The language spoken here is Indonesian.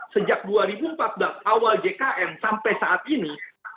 sejak dua ribu empat belas awal jkn sampai saat ini